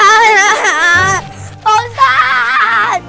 saya mau latihan